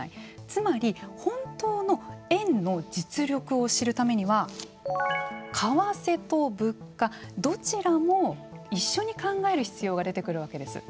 つまり、本当の円の実力を知るためには為替と物価どちらも一緒に考える必要が出てくるわけです。